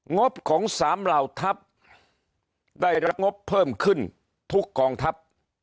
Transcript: งบของสามเหล่าทัพได้รับงบเพิ่มขึ้นทุกกองทัพ